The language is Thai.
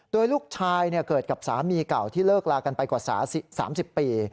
โดยลูกชายเกิดกับสามีเก่าที่เลิกลากันไปกว่า๓๐ปี